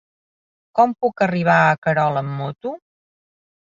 Com puc arribar a Querol amb moto?